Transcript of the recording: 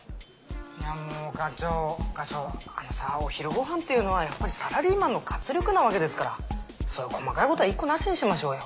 いやもう課長課長あのさお昼ご飯っていうのはやっぱりサラリーマンの活力なわけですからそういう細かいことは言いっこなしにしましょうよ。